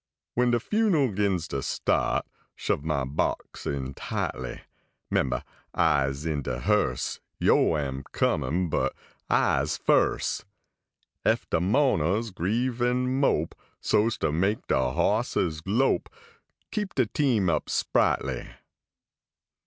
Wen de fun al gins ter start, Shove mah box in tightly. Membah I is in de hearse ; Yo am comin , but Ise firs . Ef de mo ners grieve and mope, So s ter make de bosses lope, Keep de team up sprightly.